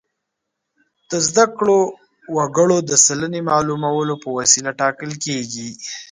د زده کړو وګړو د سلنې معلومولو په وسیله ټاکل کیږي.